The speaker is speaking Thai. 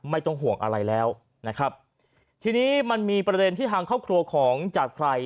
ไม่ต้องห่วงอะไรแล้วนะครับทีนี้มันมีประเด็นที่ทางครอบครัวของจากใคร